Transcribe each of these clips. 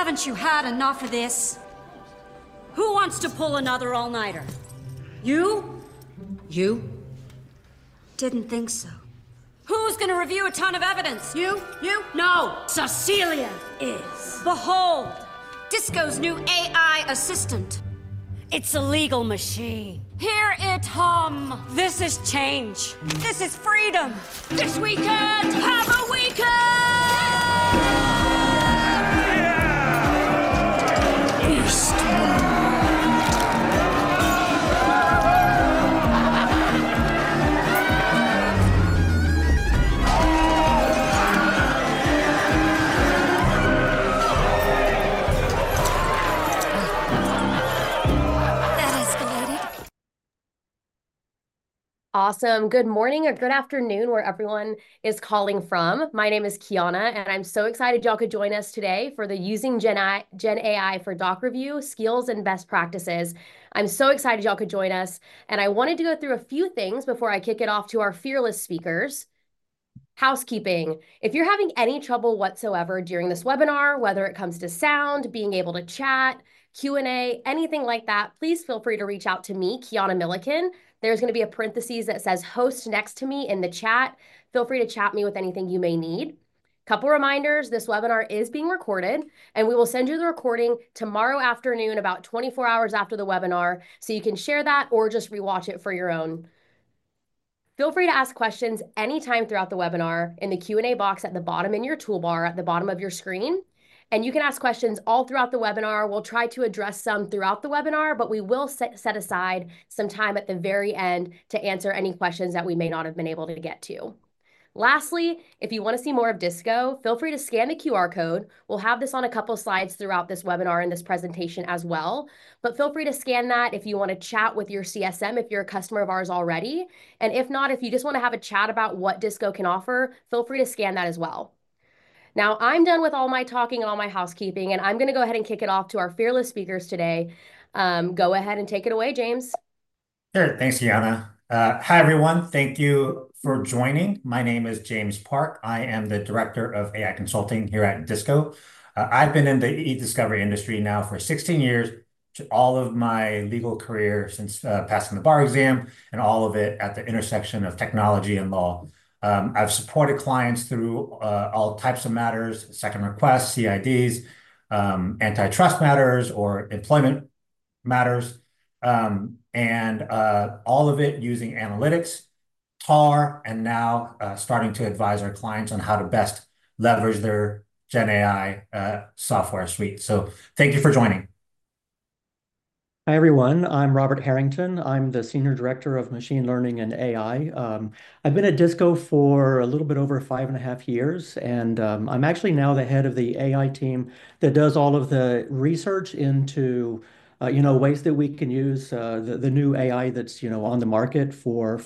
Lawyers, haven't you had enough of this? Who wants to pull another all-nighter? You? You? Didn't think so. Who's gonna review a ton of evidence? You? You? No, Cecilia is. Behold, DISCO's new AI assistant. It's a legal machine. Hear it hum. This is change. This is freedom. This weekend, power weekend! Yeah! Beast. That escalated. Awesome. Good morning or good afternoon, where everyone is calling from. My name is Kiana, and I'm so excited y'all could join us today for the Using Gen AI for Doc Review: Skills and Best Practices. I'm so excited y'all could join us, and I wanted to go through a few things before I kick it off to our fearless speakers. Housekeeping, if you're having any trouble whatsoever during this webinar, whether it comes to sound, being able to chat, Q&A, anything like that, please feel free to reach out to me, Kiana Millican. There's gonna be a parentheses that says, "Host," next to me in the chat. Feel free to chat me with anything you may need. Couple reminders, this webinar is being recorded, and we will send you the recording tomorrow afternoon, about twenty-four hours after the webinar. So you can share that or just re-watch it for your own. Feel free to ask questions anytime throughout the webinar in the Q&A box at the bottom, in your toolbar at the bottom of your screen, and you can ask questions all throughout the webinar. We'll try to address some throughout the webinar, but we will set aside some time at the very end to answer any questions that we may not have been able to get to. Lastly, if you wanna see more of Disco, feel free to scan the QR code. We'll have this on a couple of slides throughout this webinar and this presentation as well, but feel free to scan that if you wanna chat with your CSM, if you're a customer of ours already. And if not, if you just wanna have a chat about what Disco can offer, feel free to scan that as well. Now, I'm done with all my talking and all my housekeeping, and I'm gonna go ahead and kick it off to our fearless speakers today. Go ahead and take it away, James. Sure. Thanks, Kiana. Hi, everyone. Thank you for joining. My name is James Park. I am the Director of AI Consulting here at Disco. I've been in the e-discovery industry now for sixteen years to all of my legal career, since passing the bar exam, and all of it at the intersection of technology and law. I've supported clients through all types of matters, second requests, CIDs, antitrust matters, or employment matters, and all of it using analytics, TAR, and now starting to advise our clients on how to best leverage their Gen AI software suite. So thank you for joining. Hi, everyone, I'm Robert Harrington. I'm the Senior Director of Machine Learning and AI. I've been at Disco for a little bit over five and a half years, and I'm actually now the head of the AI team that does all of the research into, you know, ways that we can use the new AI that's, you know, on the market for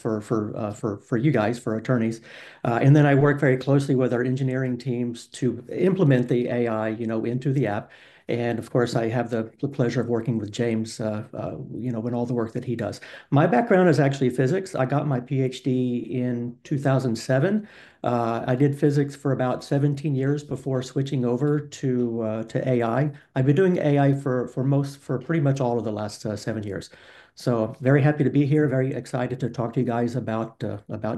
you guys, for attorneys. And then I work very closely with our engineering teams to implement the AI, you know, into the app. And of course, I have the pleasure of working with James, you know, with all the work that he does. My background is actually physics. I got my PhD in 2007. I did physics for about 17 years before switching over to AI. I've been doing AI for pretty much all of the last seven years. So very happy to be here. Very excited to talk to you guys about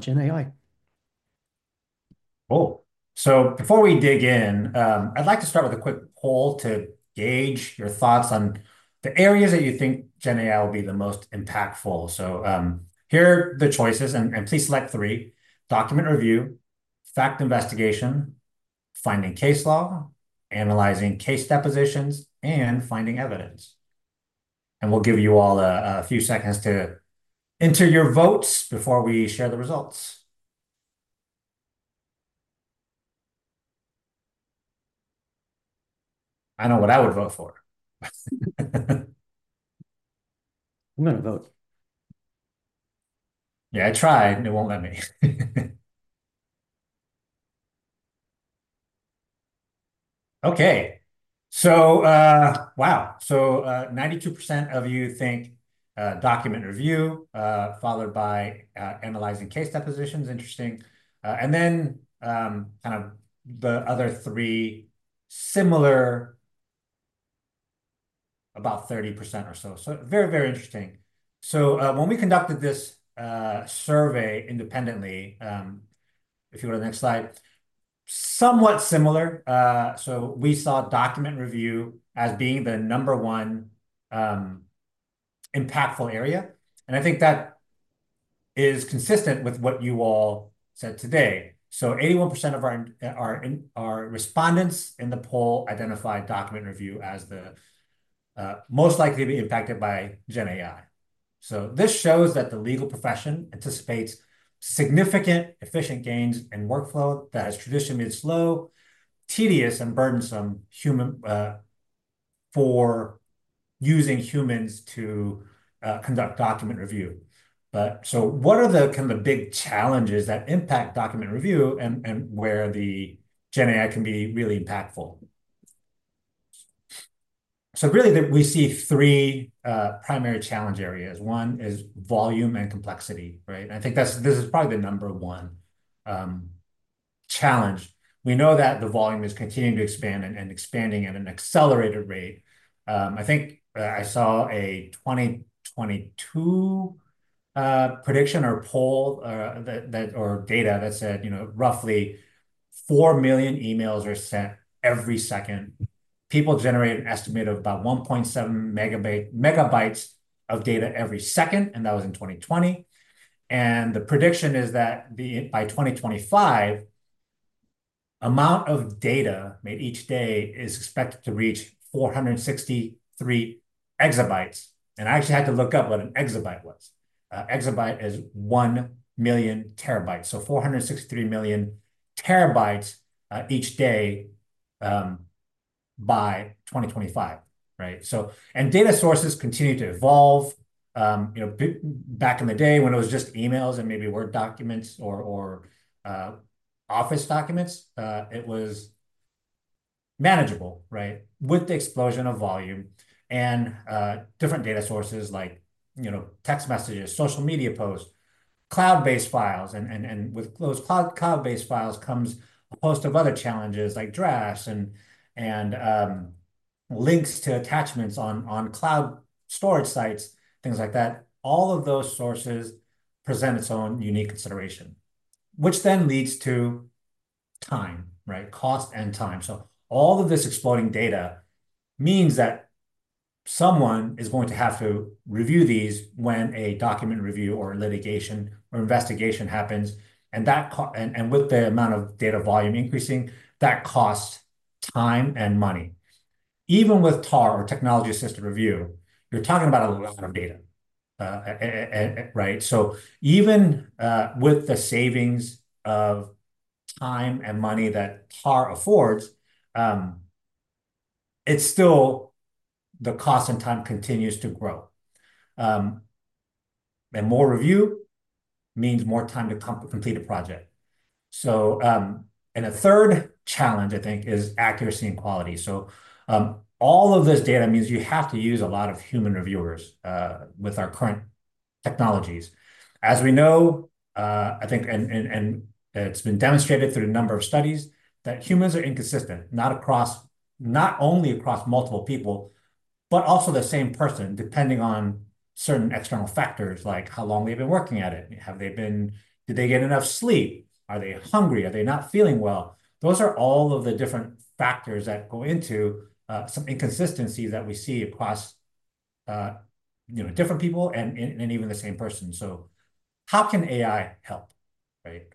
Gen AI. Cool. So before we dig in, I'd like to start with a quick poll to gauge your thoughts on the areas that you think Gen AI will be the most impactful. So, here are the choices, and please select three: document review, fact investigation, finding case law, analyzing case depositions, and finding evidence. And we'll give you all a few seconds to enter your votes before we share the results. I know what I would vote for. I'm gonna vote. Yeah, I tried, and it won't let me. Okay, so, wow! So, 92% of you think document review, followed by analyzing case depositions. Interesting. And then, kind of the other three, similar, about 30% or so. So very, very interesting. So, when we conducted this survey independently, if you go to the next slide, somewhat similar, so we saw document review as being the number one impactful area, and I think that is consistent with what you all said today. So 81% of our respondents in the poll identified document review as the most likely to be impacted by Gen AI. This shows that the legal profession anticipates significant, efficient gains in workflow that has traditionally been slow, tedious, and burdensome human for using humans to conduct document review, but so what are the kind of big challenges that impact document review and where the Gen AI can be really impactful? Really, we see three primary challenge areas. One is volume and complexity, right? I think this is probably the number one challenge. We know that the volume is continuing to expand and expanding at an accelerated rate. I think I saw a 2022 prediction or poll or data that said, you know, roughly 4 million emails are sent every second. People generate an estimate of about 1.7 megabytes of data every second, and that was in 2020. And the prediction is that by 2025, the amount of data made each day is expected to reach 463 exabytes. And I actually had to look up what an exabyte was. Exabyte is 1 million terabytes, so 463 million terabytes each day by 2025, right? So data sources continue to evolve. You know, back in the day, when it was just emails and maybe Word documents or Office documents, it was manageable, right? With the explosion of volume and different data sources like, you know, text messages, social media posts, cloud-based files, and with those cloud-based files comes a host of other challenges, like drafts and links to attachments on cloud storage sites, things like that. All of those sources present its own unique consideration, which then leads to time, right? Cost and time. So all of this exploding data means that someone is going to have to review these when a document review or litigation or investigation happens, and that, with the amount of data volume increasing, that costs time and money. Even with TAR, or technology-assisted review, you're talking about a lot of data, right? So even with the savings of time and money that TAR affords, it's still the cost and time continues to grow. And more review means more time to complete a project. So, and a third challenge, I think, is accuracy and quality. So, all of this data means you have to use a lot of human reviewers, with our current technologies. As we know, I think, and it's been demonstrated through a number of studies, that humans are inconsistent, not only across multiple people, but also the same person, depending on certain external factors, like how long they've been working at it. Did they get enough sleep? Are they hungry? Are they not feeling well? Those are all of the different factors that go into some inconsistencies that we see across, you know, different people and even the same person. So how can AI help, right?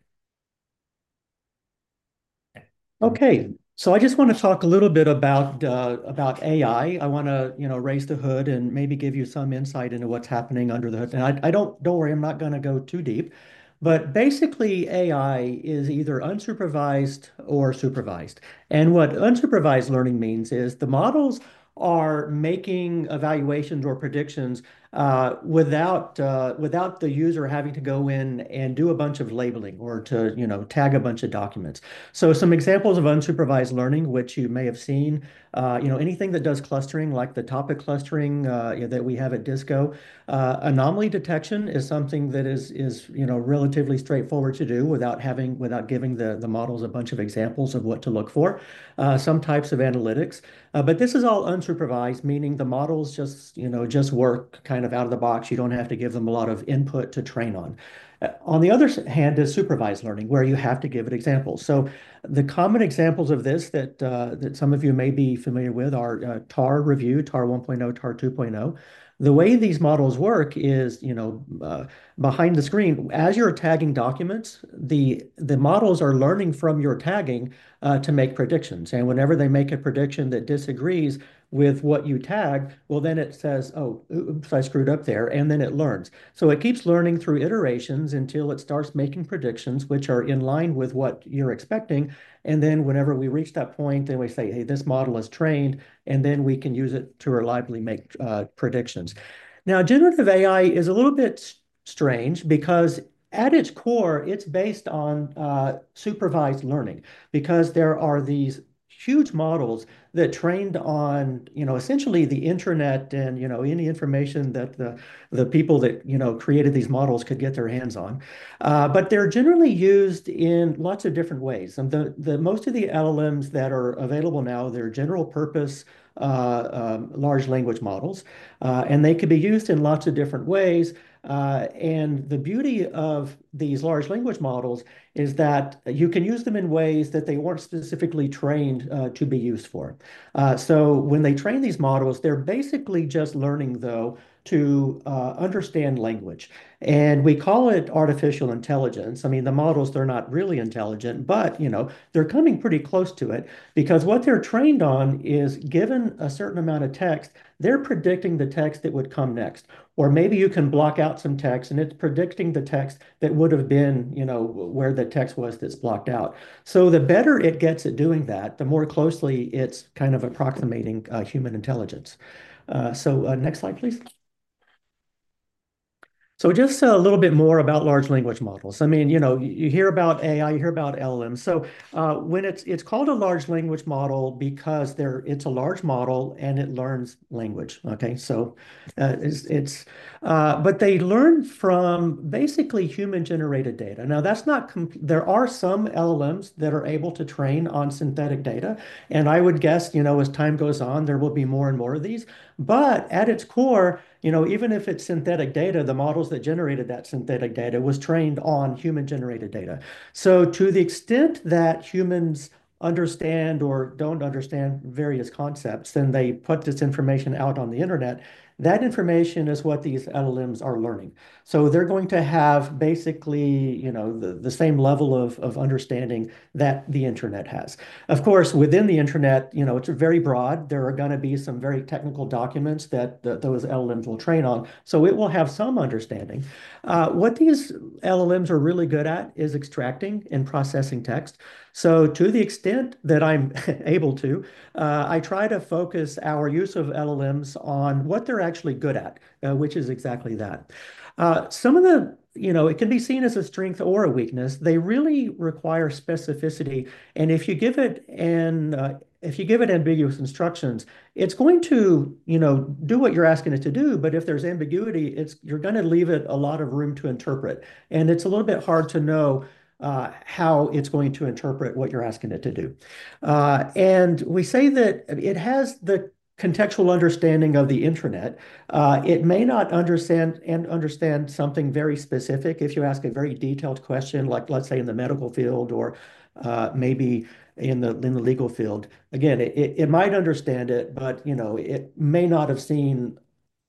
Okay, so I just wanna talk a little bit about AI. I wanna, you know, raise the hood and maybe give you some insight into what's happening under the hood. And I don't worry, I'm not gonna go too deep. But basically, AI is either unsupervised or supervised. And what unsupervised learning means is the models are making evaluations or predictions without the user having to go in and do a bunch of labeling or to, you know, tag a bunch of documents. So some examples of unsupervised learning, which you may have seen, you know, anything that does clustering, like the topic clustering, you know, that we have at Disco. Anomaly detection is something that is, you know, relatively straightforward to do without having without giving the models a bunch of examples of what to look for, some types of analytics. But this is all unsupervised, meaning the models just, you know, just work kind of out of the box. You don't have to give them a lot of input to train on. On the other hand is supervised learning, where you have to give it examples. So the common examples of this that some of you may be familiar with are TAR review, TAR one point oh, TAR two point oh. The way these models work is, you know, behind the screen, as you're tagging documents, the models are learning from your tagging to make predictions. Whenever they make a prediction that disagrees with what you tagged, well, then it says, "Oh, oops, I screwed up there," and then it learns. It keeps learning through iterations until it starts making predictions which are in line with what you're expecting. Then whenever we reach that point, then we say, "Hey, this model is trained," and then we can use it to reliably make predictions. Now, generative AI is a little bit strange because, at its core, it's based on supervised learning, because there are these huge models that trained on, you know, essentially the internet and, you know, any information that the people that created these models could get their hands on. They're generally used in lots of different ways. And most of the LLMs that are available now, they're general-purpose large language models, and they could be used in lots of different ways. And the beauty of these large language models is that you can use them in ways that they weren't specifically trained to be used for. So when they train these models, they're basically just learning though to understand language, and we call it artificial intelligence. I mean, the models, they're not really intelligent, but you know, they're coming pretty close to it because what they're trained on is, given a certain amount of text, they're predicting the text that would come next. Or maybe you can block out some text, and it's predicting the text that would have been you know where the text was that's blocked out. So the better it gets at doing that, the more closely it's kind of approximating human intelligence. Next slide, please. So just a little bit more about large language models. I mean, you know, you hear about AI, you hear about LLM. So when it's called a large language model because it's a large model, and it learns language, okay? But they learn from basically human-generated data. Now, that's not common, there are some LLMs that are able to train on synthetic data, and I would guess, you know, as time goes on, there will be more and more of these. But at its core, you know, even if it's synthetic data, the models that generated that synthetic data was trained on human-generated data. So to the extent that humans understand or don't understand various concepts, then they put this information out on the internet. That information is what these LLMs are learning. So they're going to have basically, you know, the same level of understanding that the internet has. Of course, within the internet, you know, it's very broad. There are gonna be some very technical documents that those LLMs will train on, so it will have some understanding. What these LLMs are really good at is extracting and processing text. So to the extent that I'm able to, I try to focus our use of LLMs on what they're actually good at, which is exactly that. You know, it can be seen as a strength or a weakness. They really require specificity, and if you give it ambiguous instructions, it's going to, you know, do what you're asking it to do. But if there's ambiguity, you're gonna leave it a lot of room to interpret, and it's a little bit hard to know how it's going to interpret what you're asking it to do. And we say that it has the contextual understanding of the internet. It may not understand something very specific if you ask a very detailed question, like, let's say, in the medical field or maybe in the legal field. Again, it might understand it, but, you know, it may not have seen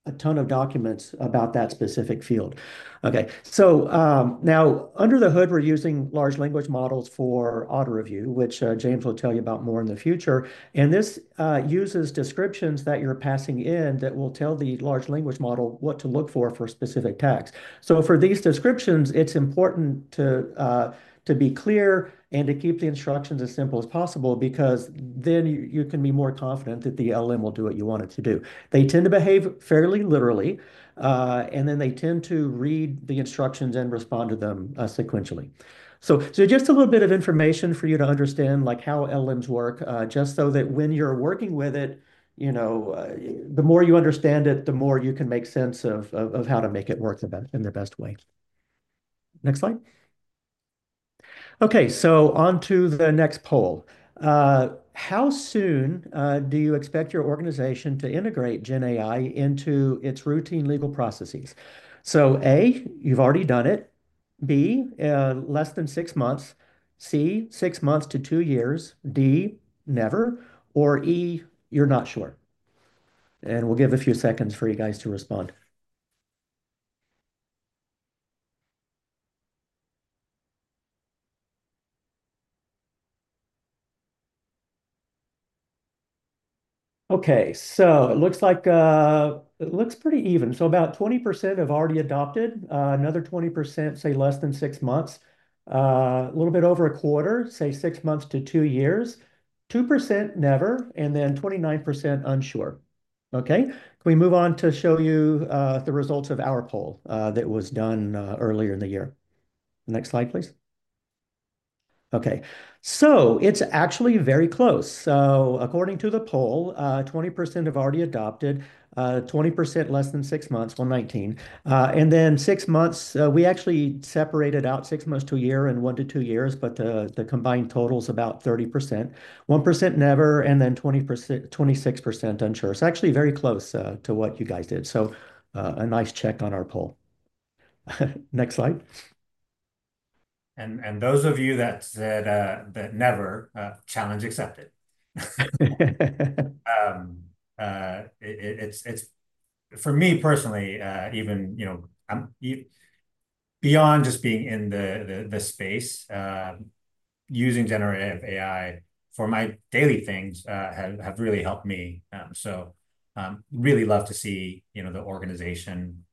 a ton of documents about that specific field. Okay, so now under the hood, we're using large language models for auto review, which James will tell you about more in the future. And this uses descriptions that you're passing in that will tell the large language model what to look for for specific tasks. So for these descriptions, it's important to be clear and to keep the instructions as simple as possible, because then you can be more confident that the LLM will do what you want it to do. They tend to behave fairly literally, and then they tend to read the instructions and respond to them sequentially. So just a little bit of information for you to understand, like, how LLMs work, just so that when you're working with it, you know, the more you understand it, the more you can make sense of how to make it work the best way. Next slide. Okay, so on to the next poll. How soon do you expect your organization to integrate Gen AI into its routine legal processes? So, A, you've already done it. B, less than six months. C, six months to two years. D, never. Or E, you're not sure. And we'll give a few seconds for you guys to respond. Okay, so it looks like it looks pretty even. So about 20% have already adopted. Another 20% say less than six months. A little bit over a quarter, say, six months to two years. 2%, never. And then 29%, unsure. Okay, can we move on to show you the results of our poll that was done earlier in the year? Next slide, please. Okay, so it's actually very close. So according to the poll, 20% have already adopted, 20%, less than six months, well, 19. And then six months, we actually separated out six months to a year and one to two years, but the combined total is about 30%. 1%, never, and then 20%–26% unsure. It's actually very close to what you guys did, so a nice check on our poll. Next slide. Those of you that said that never, challenge accepted. It's for me personally, even you know beyond just being in the space, using generative AI for my daily things have really helped me, so really love to see you know the organization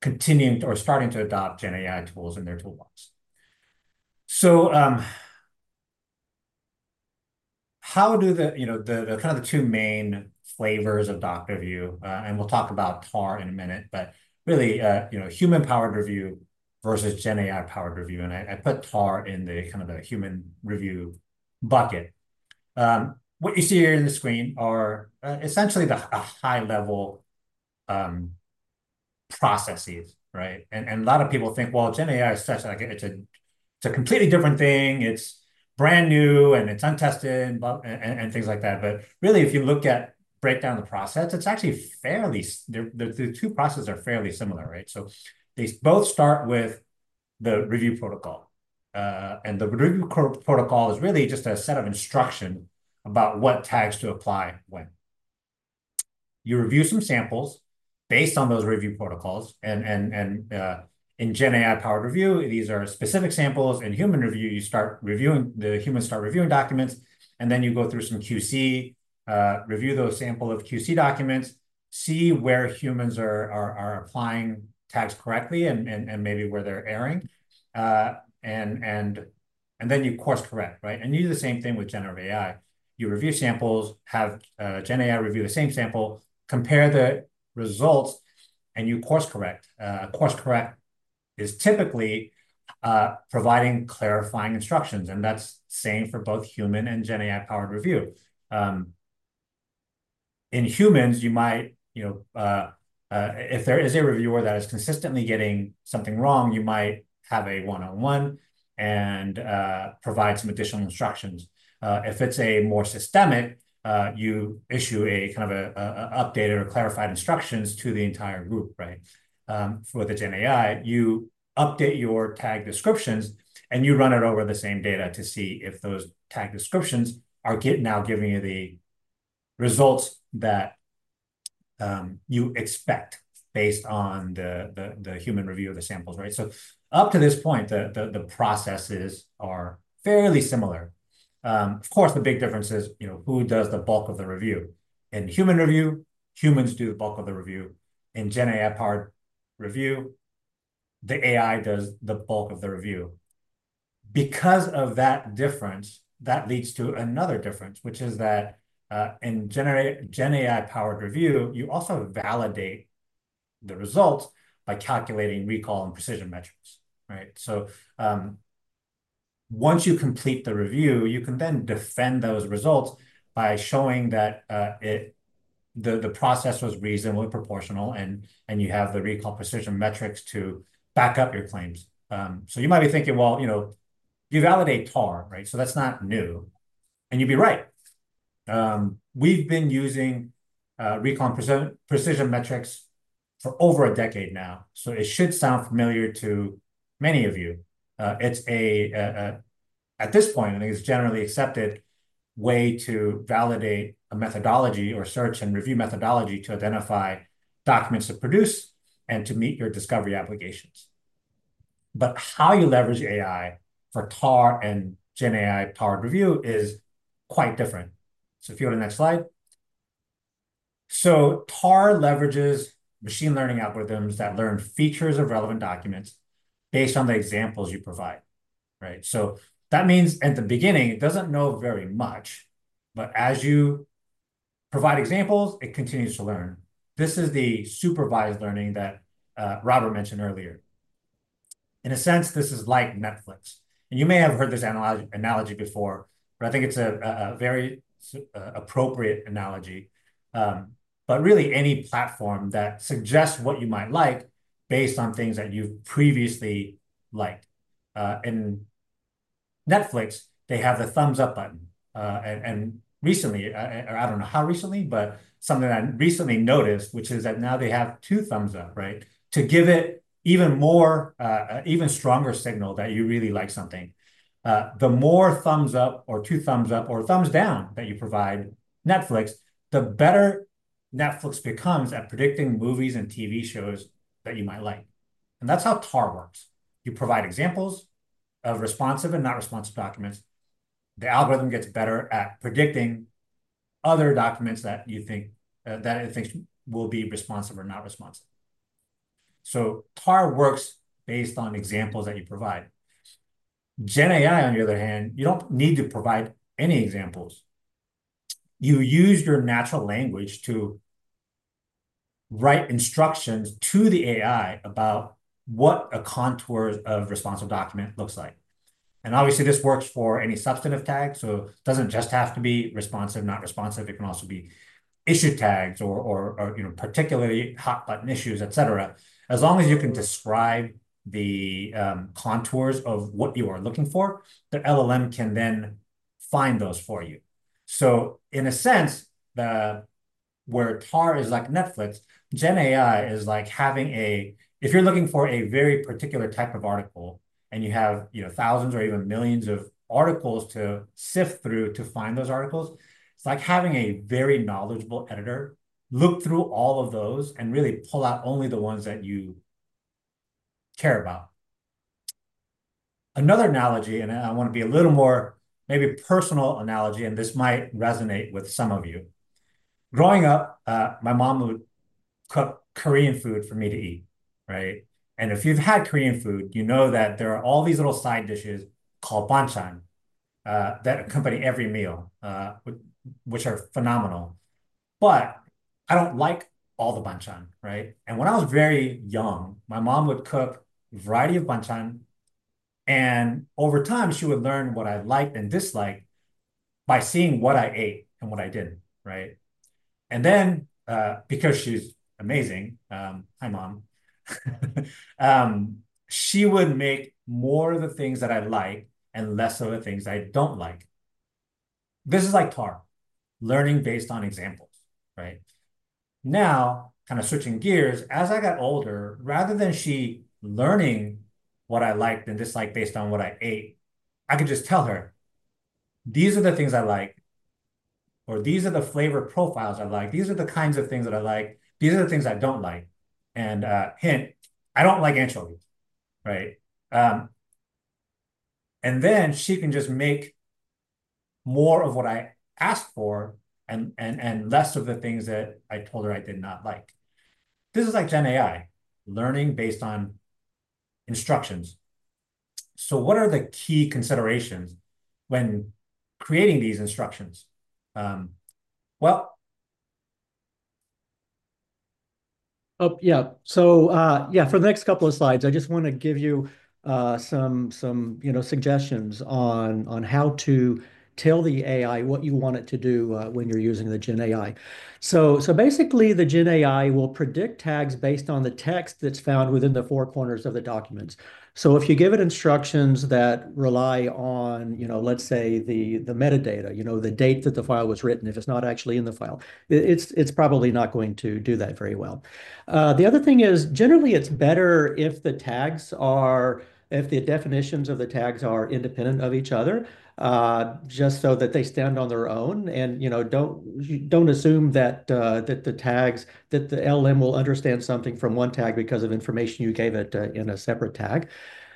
continuing or starting to adopt Gen AI tools in their toolbox, so how do the you know the kind of the two main flavors of document review, and we'll talk about TAR in a minute, but really you know human-powered review versus Gen AI-powered review, and I put TAR in the kind of the human review bucket. What you see here on the screen are essentially a high-level processes, right? A lot of people think, well, Gen AI is such like a, it's a completely different thing, it's brand new, and it's untested, but and things like that. But really, if you look at break down the process, it's actually fairly the two processes are fairly similar, right? So they both start with the review protocol. And the review protocol is really just a set of instructions about what tags to apply when. You review some samples based on those review protocols, and in Gen AI-powered review, these are specific samples. In human review, you start reviewing documents, and then you go through some QC, review those samples of QC documents, see where humans are applying tags correctly and maybe where they're erroring. And then you course correct, right? And you do the same thing with generative AI. You review samples, have GenAI review the same sample, compare the results, and you course correct. Course correct is typically providing clarifying instructions, and that's same for both human and GenAI-powered review. In humans, you might, you know, if there is a reviewer that is consistently getting something wrong, you might have a one-on-one and provide some additional instructions. If it's a more systemic, you issue a kind of updated or clarified instructions to the entire group, right? For the GenAI, you update your tag descriptions, and you run it over the same data to see if those tag descriptions are now giving you the results that you expect based on the human review of the samples, right? So up to this point, the processes are fairly similar. Of course, the big difference is, you know, who does the bulk of the review? In human review, humans do the bulk of the review. In GenAI-powered review, the AI does the bulk of the review. Because of that difference, that leads to another difference, which is that, in GenAI-powered review, you also validate the results by calculating recall and precision metrics, right? So, once you complete the review, you can then defend those results by showing that, it, the process was reasonably proportional, and you have the recall and precision metrics to back up your claims. So you might be thinking, well, you know, you validate TAR, right? So that's not new, and you'd be right. We've been using recall and precision metrics for over a decade now, so it should sound familiar to many of you. It's at this point, I think it's generally accepted way to validate a methodology or search and review methodology to identify documents to produce and to meet your discovery obligations, but how you leverage AI for TAR and GenAI-powered review is quite different, so if you go to the next slide, so TAR leverages machine learning algorithms that learn features of relevant documents based on the examples you provide, right? So that means, at the beginning, it doesn't know very much, but as you provide examples, it continues to learn. This is the supervised learning that Robert mentioned earlier. In a sense, this is like Netflix, and you may have heard this analogy before, but I think it's a very appropriate analogy, but really, any platform that suggests what you might like based on things that you've previously liked. In Netflix, they have the thumbs up button, and recently, I don't know how recently, but something I recently noticed, which is that now they have two thumbs up, right? To give it even more, even stronger signal that you really like something. The more thumbs up or two thumbs up or thumbs down that you provide Netflix, the better Netflix becomes at predicting movies and TV shows that you might like. And that's how TAR works. You provide examples of responsive and not responsive documents. The algorithm gets better at predicting other documents that you think, that it thinks will be responsive or not responsive. So TAR works based on examples that you provide. GenAI, on the other hand, you don't need to provide any examples. You use your natural language to write instructions to the AI about what a contour of responsive document looks like. And obviously, this works for any substantive tag, so it doesn't just have to be responsive, not responsive. It can also be issue tags or you know, particularly hot button issues, et cetera. As long as you can describe the contours of what you are looking for, the LLM can then find those for you. So in a sense, where TAR is like Netflix, GenAI is like having a... If you're looking for a very particular type of article and you have, you know, thousands or even millions of articles to sift through to find those articles, it's like having a very knowledgeable editor look through all of those and really pull out only the ones that you care about. Another analogy, and I want to be a little more, maybe personal analogy, and this might resonate with some of you. Growing up, my mom would cook Korean food for me to eat, right? And if you've had Korean food, you know that there are all these little side dishes called banchan that accompany every meal, which are phenomenal. But I don't like all the banchan, right? And when I was very young, my mom would cook a variety of banchan, and over time, she would learn what I liked and disliked by seeing what I ate and what I didn't, right? And then, because she's amazing, hi, Mom. She would make more of the things that I like and less of the things I don't like. This is like TAR, learning based on examples, right? Now, kind of switching gears, as I got older, rather than she learning what I liked and disliked based on what I ate, I could just tell her, "These are the things I like, or these are the flavor profiles I like, these are the kinds of things that I like, these are the things I don't like." And, hint, I don't like anchovy, right? And then she can just make-... more of what I asked for and less of the things that I told her I did not like. This is like Gen AI, learning based on instructions. So what are the key considerations when creating these instructions? Well- Oh, yeah, so yeah, for the next couple of slides, I just want to give you some, you know, suggestions on how to tell the AI what you want it to do when you're using the Gen AI, so basically the Gen AI will predict tags based on the text that's found within the four corners of the documents, so if you give it instructions that rely on, you know, let's say, the metadata, you know, the date that the file was written, if it's not actually in the file, it's probably not going to do that very well. The other thing is, generally it's better if the tags are... if the definitions of the tags are independent of each other, just so that they stand on their own. You know, don't assume that the tags that the LLM will understand something from one tag because of information you gave it in a separate tag.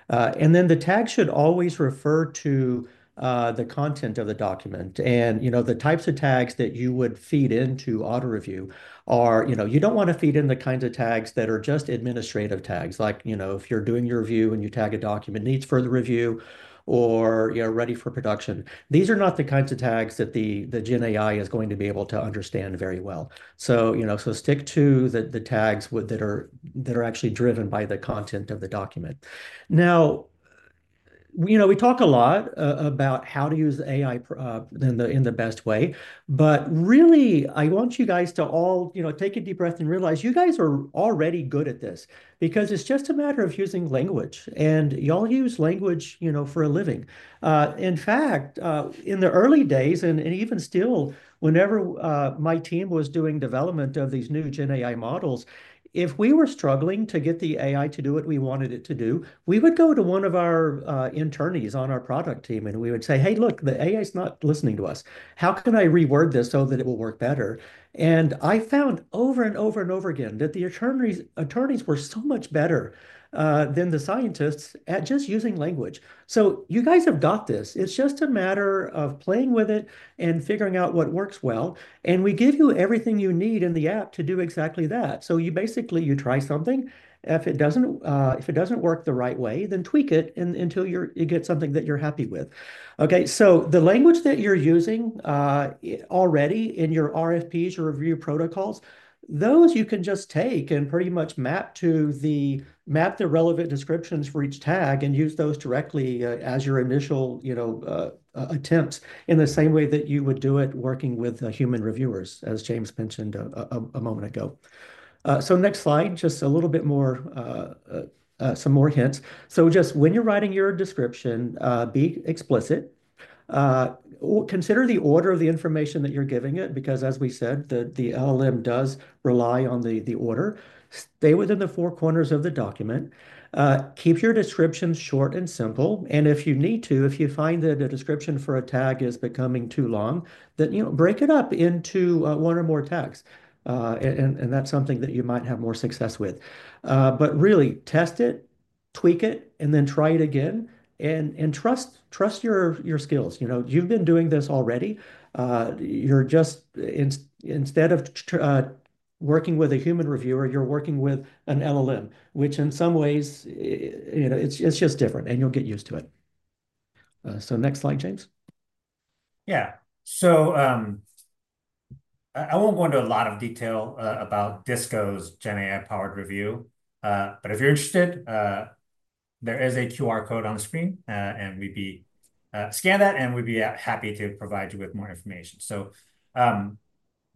The tag should always refer to the content of the document. You know, the types of tags that you would feed into auto review are, you know, you don't want to feed in the kinds of tags that are just administrative tags. Like, you know, if you're doing your review and you tag a document, needs further review or, you know, ready for production. These are not the kinds of tags that the Gen AI is going to be able to understand very well. You know, stick to the tags that are actually driven by the content of the document. Now, you know, we talk a lot about how to use AI in the best way, but really, I want you guys to all, you know, take a deep breath and realize you guys are already good at this. Because it's just a matter of using language, and y'all use language, you know, for a living. In fact, in the early days, and even still, whenever my team was doing development of these new gen AI models, if we were struggling to get the AI to do what we wanted it to do, we would go to one of our attorneys on our product team, and we would say, "Hey, look, the AI is not listening to us. How can I reword this so that it will work better?" And I found over and over and over again that the attorneys were so much better than the scientists at just using language. So you guys have got this. It's just a matter of playing with it and figuring out what works well, and we give you everything you need in the app to do exactly that. So you basically try something. If it doesn't work the right way, then tweak it until you get something that you're happy with. Okay, so the language that you're using already in your RFPs, your review protocols, those you can just take and pretty much map to the... Map the relevant descriptions for each tag and use those directly as your initial, you know, attempts in the same way that you would do it working with human reviewers, as James mentioned a moment ago. So next slide, just a little bit more some more hints. So just when you're writing your description, be explicit. Consider the order of the information that you're giving it, because, as we said, the LLM does rely on the order. Stay within the four corners of the document. Keep your descriptions short and simple, and if you need to, if you find that a description for a tag is becoming too long, then, you know, break it up into one or more tags. And that's something that you might have more success with. But really, test it, tweak it, and then try it again. And trust your skills. You know, you've been doing this already. You're just instead of working with a human reviewer, you're working with an LLM, which in some ways, you know, it's just different, and you'll get used to it. So next slide, James. Yeah. So, I won't go into a lot of detail about Disco's Gen AI-powered review, but if you're interested, there is a QR code on the screen, and we'd be happy to provide you with more information. So,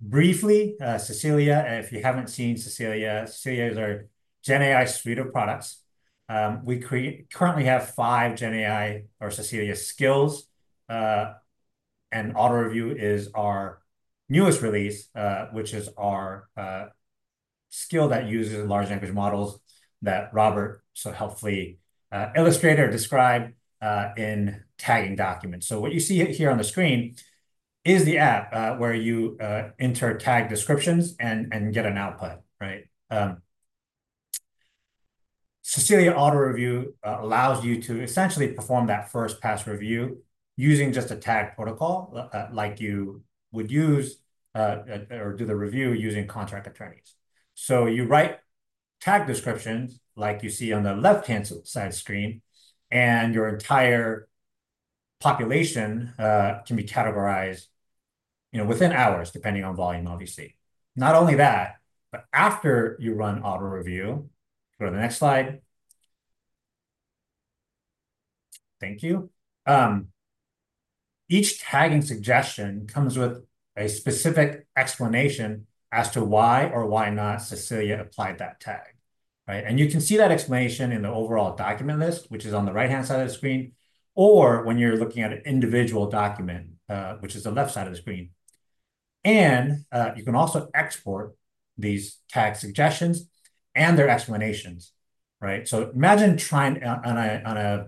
briefly, Cecilia, if you haven't seen Cecilia, Cecilia is our gen AI suite of products. We currently have five gen AI or Cecilia skills, and Auto Review is our newest release, which is our skill that uses large language models that Robert so helpfully illustrated or described in tagging documents. So what you see here on the screen is the app where you enter tag descriptions and get an output, right? Cecilia Auto Review allows you to essentially perform that first pass review using just a tag protocol, like you would use, or do the review using contract attorneys. So you write tag descriptions like you see on the left-hand side of the screen, and your entire population can be categorized, you know, within hours, depending on volume, obviously. Not only that, but after you run AutoReview... Go to the next slide. Thank you. Each tagging suggestion comes with a specific explanation as to why or why not Cecilia applied that tag, right? And you can see that explanation in the overall document list, which is on the right-hand side of the screen, or when you're looking at an individual document, which is the left side of the screen. And, you can also export these tag suggestions and their explanations, right? So imagine trying on a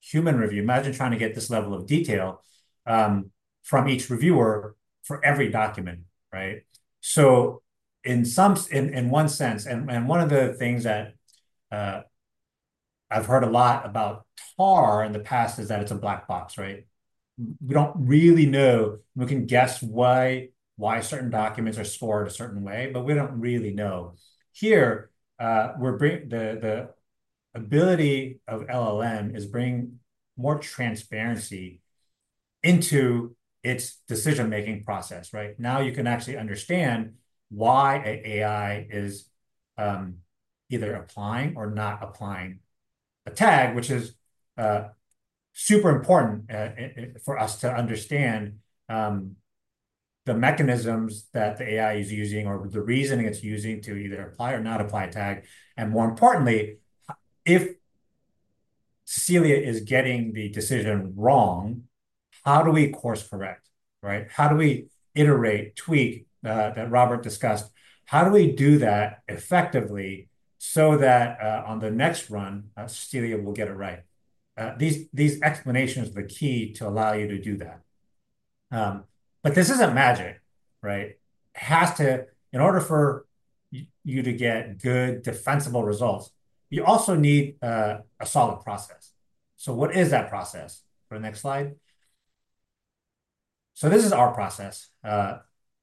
human review, imagine trying to get this level of detail from each reviewer for every document, right? So in some sense, and one of the things that I've heard a lot about TAR in the past is that it's a black box, right? We don't really know. We can guess why certain documents are scored a certain way, but we don't really know. Here, the ability of LLM is bringing more transparency into its decision-making process, right? Now, you can actually understand why an AI is either applying or not applying a tag, which is super important for us to understand the mechanisms that the AI is using or the reasoning it's using to either apply or not apply a tag. And more importantly, if Cecilia is getting the decision wrong, how do we course-correct, right? How do we iterate, tweak, that Robert discussed? How do we do that effectively so that, on the next run, Cecilia will get it right? These explanations are the key to allow you to do that. But this isn't magic, right? It has to, in order for you to get good, defensible results, you also need a solid process. So what is that process? Go to the next slide. So this is our process.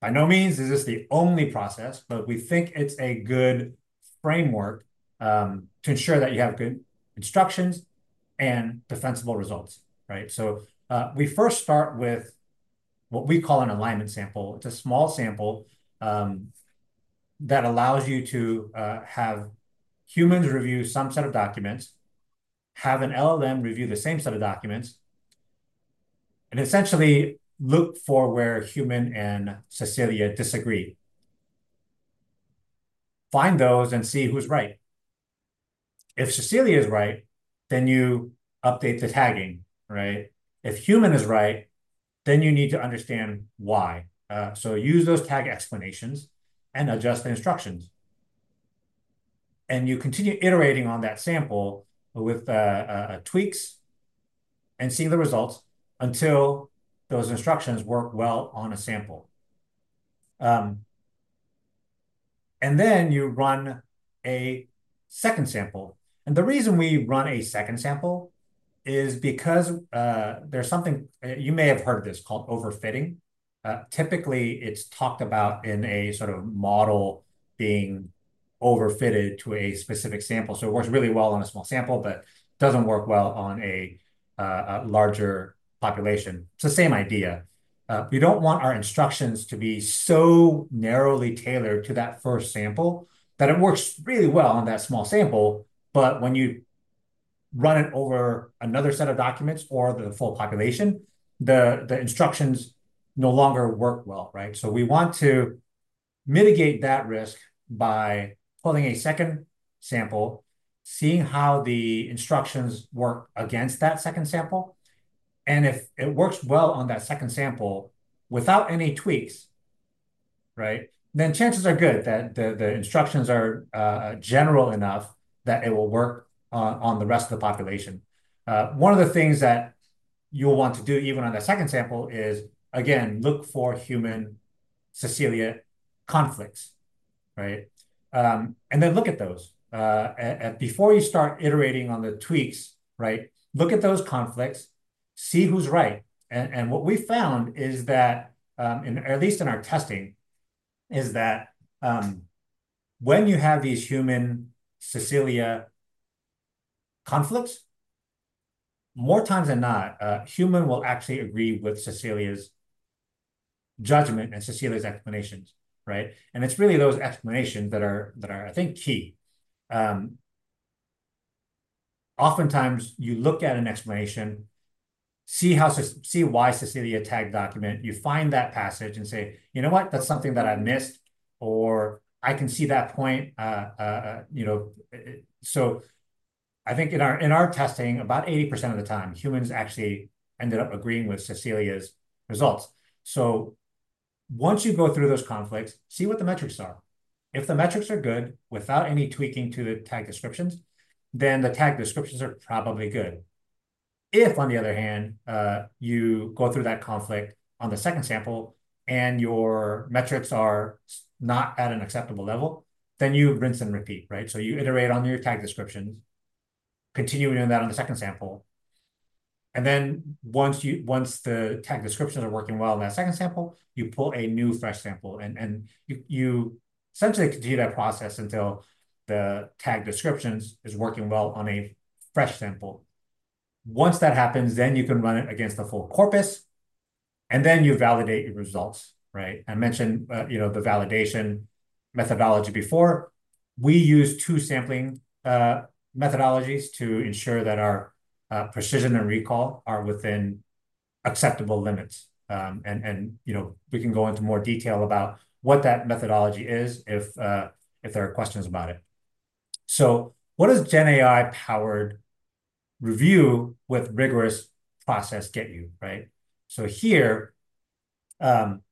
By no means is this the only process, but we think it's a good framework to ensure that you have good instructions and defensible results, right? So, we first start with what we call an alignment sample. It's a small sample that allows you to have humans review some set of documents, have an LLM review the same set of documents, and essentially look for where human and Cecilia disagree. Find those and see who's right. If Cecilia is right, then you update the tagging, right? If human is right, then you need to understand why, so use those tag explanations and adjust the instructions, and you continue iterating on that sample with tweaks and see the results until those instructions work well on a sample, and then you run a second sample, and the reason we run a second sample is because there's something, you may have heard of this, called overfitting. Typically, it's talked about in a sort of model being overfitted to a specific sample. So it works really well on a small sample but doesn't work well on a larger population. It's the same idea. We don't want our instructions to be so narrowly tailored to that first sample that it works really well on that small sample, but when you run it over another set of documents or the full population, the instructions no longer work well, right? So we want to mitigate that risk by pulling a second sample, seeing how the instructions work against that second sample, and if it works well on that second sample without any tweaks, right, then chances are good that the instructions are general enough that it will work on the rest of the population. One of the things that you'll want to do, even on the second sample, is, again, look for human-Cecilia conflicts, right? And then look at those. Before you start iterating on the tweaks, right, look at those conflicts, see who's right. And what we found is that, at least in our testing, when you have these human-Cecilia conflicts, more times than not, a human will actually agree with Cecilia's judgment and Cecilia's explanations, right? And it's really those explanations that are, I think, key. Oftentimes, you look at an explanation, see why Cecilia tagged document. You find that passage and say, "You know what? That's something that I missed," or, "I can see that point," you know. So I think in our testing, about 80% of the time, humans actually ended up agreeing with Cecilia's results. So once you go through those conflicts, see what the metrics are. If the metrics are good without any tweaking to the tag descriptions, then the tag descriptions are probably good. If, on the other hand, you go through that conflict on the second sample and your metrics are not at an acceptable level, then you rinse and repeat, right? So you iterate on your tag descriptions, continuing that on the second sample, and then once the tag descriptions are working well on that second sample, you pull a new, fresh sample, and you essentially continue that process until the tag descriptions is working well on a fresh sample. Once that happens, then you can run it against the full corpus, and then you validate your results, right? I mentioned, you know, the validation methodology before. We use two sampling methodologies to ensure that our precision and recall are within acceptable limits. And, you know, we can go into more detail about what that methodology is if there are questions about it. So what does Gen AI-powered review with rigorous process get you, right? So here, like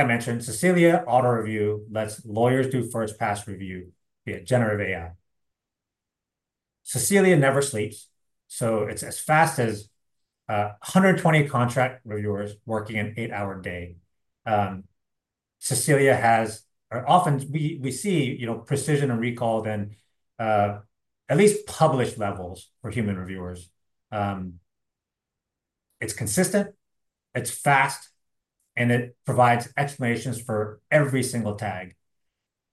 I mentioned, Cecilia Auto Review lets lawyers do first pass review via generative AI. Cecilia never sleeps, so it's as fast as 120 contract reviewers working an 8-hour day. Cecilia has, or often we see, you know, precision and recall than at least published levels for human reviewers. It's consistent, it's fast, and it provides explanations for every single tag.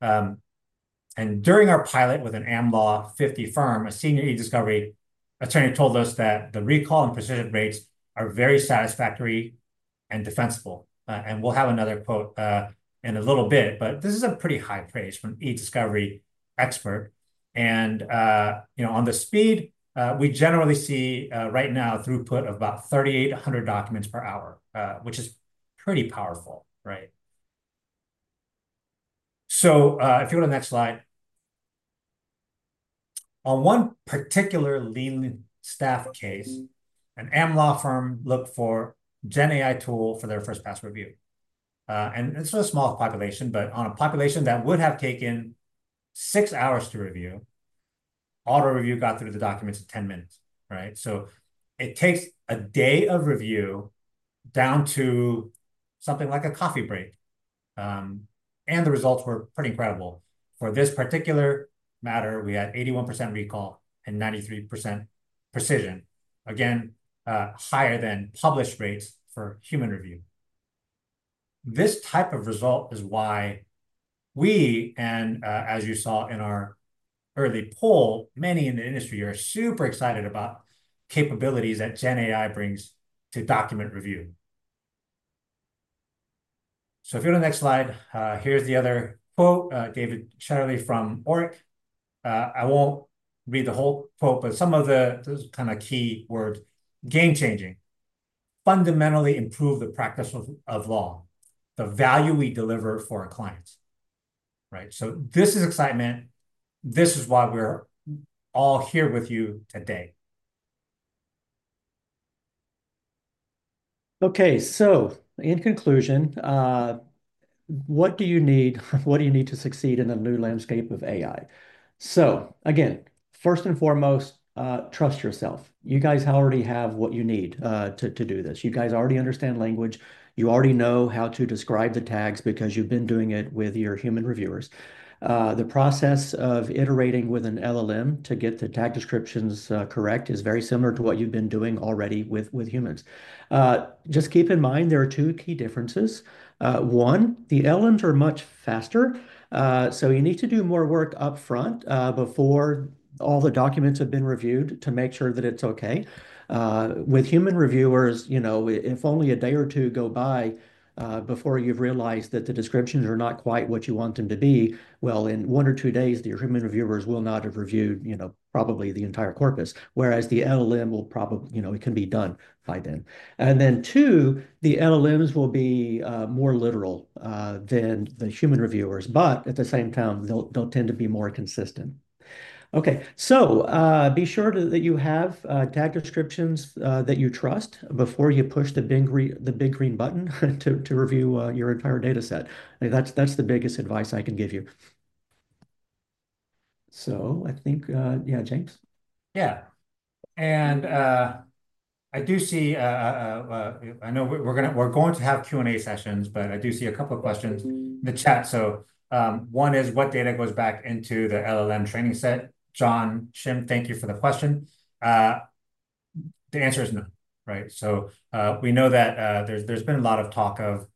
And during our pilot with an Am Law 50 firm, a senior e-discovery attorney told us that, "The recall and precision rates are very satisfactory and defensible." And we'll have another quote in a little bit, but this is a pretty high praise from e-discovery expert. And, you know, on the speed, we generally see right now throughput of about 3,800 documents per hour, which is pretty powerful, right? So, if you go to the next slide. On one particular leanly staffed case, an Am Law firm looked for GenAI tool for their first pass review. And it's a small population, but on a population that would have taken six hours to review, AutoReview got through the documents in ten minutes, right? So it takes a day of review down to something like a coffee break. And the results were pretty incredible. For this particular matter, we had 81% recall and 93% precision. Again, higher than published rates for human review. This type of result is why we, and, as you saw in our early poll, many in the industry are super excited about capabilities that GenAI brings to document review. So if you go to the next slide, here's the other quote, David Charney from Orrick. I won't read the whole quote, but some of the, those kind of key words, "Game-changing, fundamentally improve the practice of law, the value we deliver for our clients." Right? So this is excitement. This is why we're all here with you today. Okay, so in conclusion, what do you need to succeed in the new landscape of AI? So again, first and foremost, trust yourself. You guys already have what you need to do this. You guys already understand language. You already know how to describe the tags because you've been doing it with your human reviewers. The process of iterating with an LLM to get the tag descriptions correct is very similar to what you've been doing already with humans. Just keep in mind, there are two key differences. One, the LLMs are much faster, so you need to do more work upfront before all the documents have been reviewed to make sure that it's okay. With human reviewers, you know, if only a day or two go by before you've realized that the descriptions are not quite what you want them to be, well, in one or two days, your human reviewers will not have reviewed, you know, probably the entire corpus, whereas the LLM will probably, you know, it can be done by then. And then, two, the LLMs will be more literal than the human reviewers, but at the same time, they'll, they'll tend to be more consistent. Okay, so be sure to, that you have tag descriptions that you trust before you push the big green, the big green button to review your entire data set. That's the biggest advice I can give you. So I think... yeah, James? Yeah. And, I do see, well, I know we're going to have Q&A sessions, but I do see a couple of questions in the chat. So, one is: What data goes back into the LLM training set? John Shim, thank you for the question. The answer is no, right? So, we know that, there's been a lot of talk of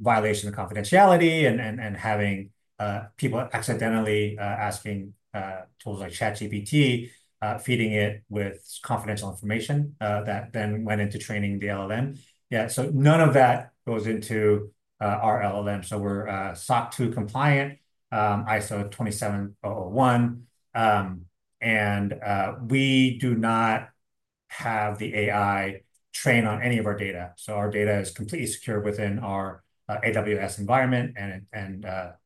violation of confidentiality and having people accidentally asking tools like ChatGPT, feeding it with confidential information, that then went into training the LLM. Yeah, so none of that goes into our LLM, so we're SOC 2 compliant, ISO 27001. We do not have the AI train on any of our data, so our data is completely secure within our AWS environment, and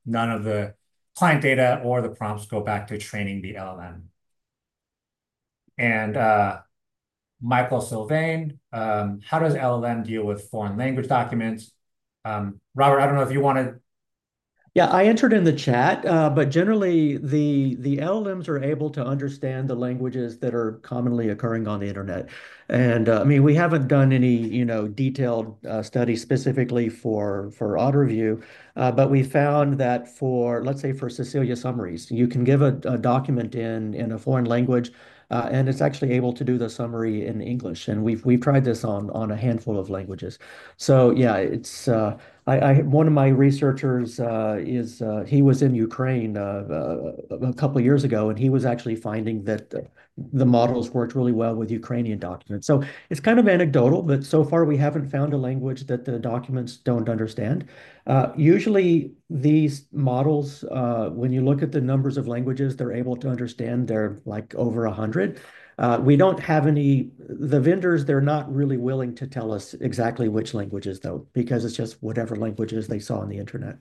none of the client data or the prompts go back to training the LLM. Michael Sylvain: How does LLM deal with foreign language documents? Robert, I don't know if you want to... Yeah, I entered in the chat, but generally, the LLMs are able to understand the languages that are commonly occurring on the Internet. I mean, we haven't done any, you know, detailed study specifically for AutoReview, but we found that for, let's say, Cecilia summaries, you can give a document in a foreign language, and it's actually able to do the summary in English, and we've tried this on a handful of languages. So yeah, it's. One of my researchers, he was in Ukraine a couple of years ago, and he was actually finding that the models worked really well with Ukrainian documents. So it's kind of anecdotal, but so far we haven't found a language that the documents don't understand. Usually these models, when you look at the numbers of languages they're able to understand, they're like over a hundred. We don't have any. The vendors, they're not really willing to tell us exactly which languages, though, because it's just whatever languages they saw on the Internet.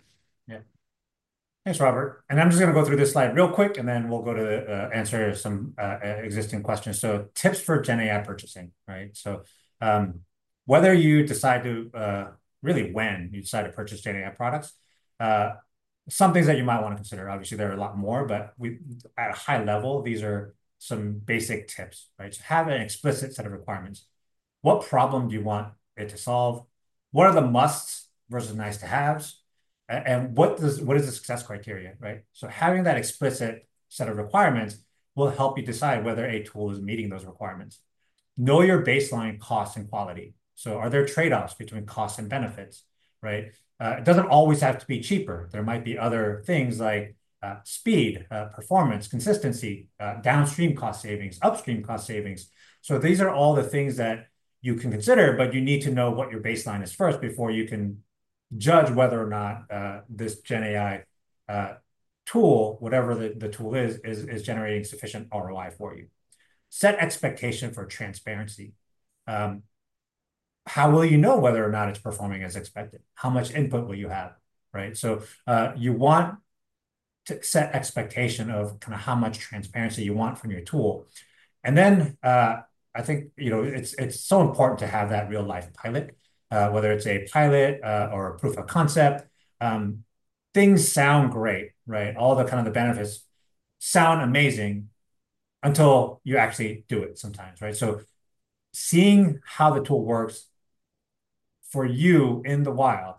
Yeah. Thanks, Robert. And I'm just gonna go through this slide real quick, and then we'll go to answer some existing questions. So tips for GenAI purchasing, right? So whether you decide to purchase GenAI products, some things that you might want to consider. Obviously, there are a lot more, but we, at a high level, these are some basic tips, right? So have an explicit set of requirements. What problem do you want it to solve? What are the musts versus nice-to-haves? And what is the success criteria, right? So having that explicit set of requirements will help you decide whether a tool is meeting those requirements. Know your baseline cost and quality. So are there trade-offs between costs and benefits, right? It doesn't always have to be cheaper. There might be other things, like, speed, performance, consistency, downstream cost savings, upstream cost savings. So these are all the things that you can consider, but you need to know what your baseline is first before you can judge whether or not, this GenAI, tool, whatever the tool is, is generating sufficient ROI for you. Set expectation for transparency. How will you know whether or not it's performing as expected? How much input will you have, right? So, you want to set expectation of kind of how much transparency you want from your tool. And then, I think, you know, it's so important to have that real-life pilot. Whether it's a pilot, or a proof of concept, things sound great, right? All the kind of the benefits sound amazing until you actually do it sometimes, right? So seeing how the tool works for you in the wild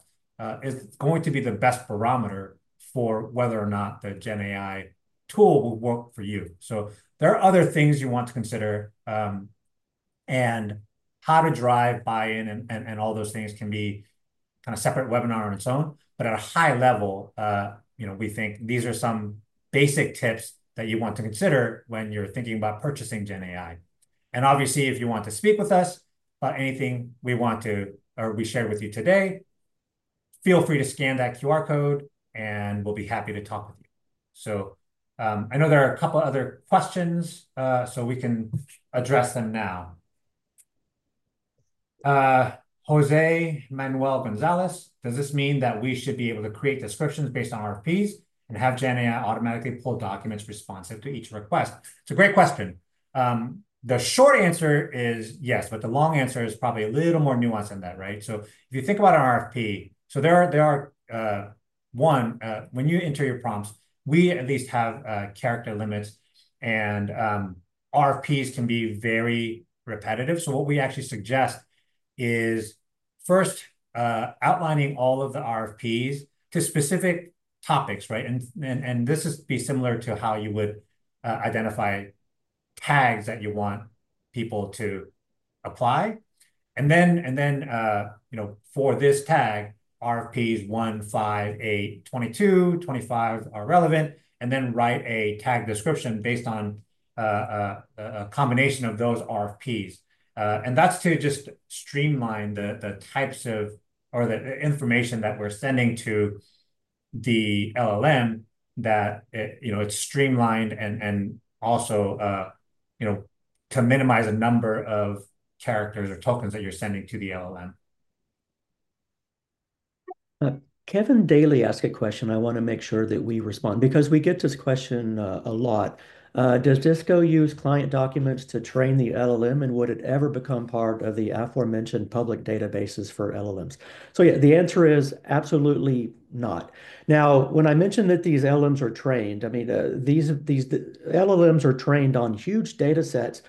is going to be the best barometer for whether or not the GenAI tool will work for you. So there are other things you want to consider, and how to drive buy-in and all those things can be kind of separate webinar on its own. But at a high level, you know, we think these are some basic tips that you want to consider when you're thinking about purchasing GenAI. And obviously, if you want to speak with us about anything we want to or we shared with you today, feel free to scan that QR code, and we'll be happy to talk with you. So I know there are a couple other questions, so we can address them now. José Manuel González: "Does this mean that we should be able to create descriptions based on RFPs and have GenAI automatically pull documents responsive to each request?" It's a great question. The short answer is yes, but the long answer is probably a little more nuanced than that, right? So if you think about an RFP. So there are one when you enter your prompts, we at least have character limits, and RFPs can be very repetitive. So what we actually suggest is, first, outlining all of the RFPs to specific topics, right? And this is be similar to how you would identify tags that you want people to apply. And then, you know, for this tag, RFPs one, five, eight, twenty-two, twenty-five are relevant, and then write a tag description based on a combination of those RFPs. And that's to just streamline the types of or the information that we're sending to the LLM that it, you know, it's streamlined, and also, you know, to minimize the number of characters or tokens that you're sending to the LLM. Kevin Daly asked a question, I wanna make sure that we respond because we get this question a lot. "Does Disco use client documents to train the LLM, and would it ever become part of the aforementioned public databases for LLMs?" Yeah, the answer is absolutely not. Now, when I mention that these LLMs are trained, I mean, these LLMs are trained on huge datasets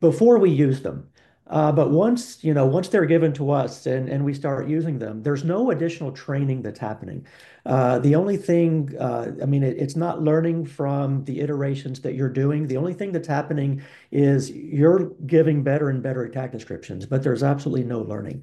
before we use them. But once you know, once they're given to us and we start using them, there's no additional training that's happening. The only thing I mean, it's not learning from the iterations that you're doing. The only thing that's happening is you're giving better and better tag descriptions, but there's absolutely no learning.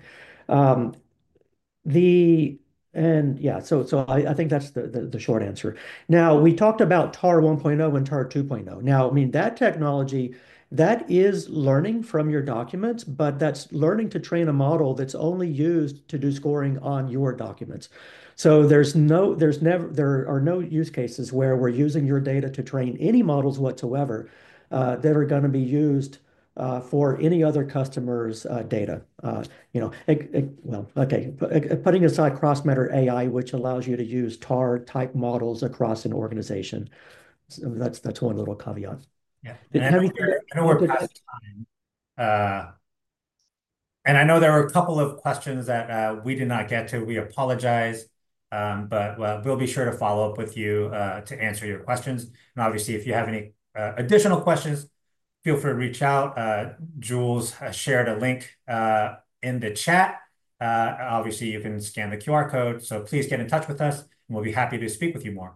Yeah, so I think that's the short answer. Now, we talked about TAR 1.0 and TAR 2.0. Now, I mean, that technology, that is learning from your documents, but that's learning to train a model that's only used to do scoring on your documents. So there are no use cases where we're using your data to train any models whatsoever, that are gonna be used, for any other customer's, data. You know, it... Well, okay, putting aside Cross-Matter AI, which allows you to use TAR-type models across an organization. So that's, that's one little caveat. Yeah. Did anybody- I know we're out of time, and I know there are a couple of questions that we did not get to. We apologize, but well, we'll be sure to follow up with you to answer your questions, and obviously, if you have any additional questions, feel free to reach out. Jules shared a link in the chat. Obviously you can scan the QR code, so please get in touch with us, and we'll be happy to speak with you more.